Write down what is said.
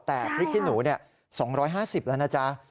แต่พริกขี้หนู๒๕๐แล้วนะจ๊ะ